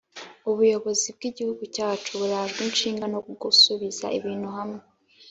Ubuyobozi bw’igihugu cyacu burajwe ishinga no kusubiza ibintu hamwe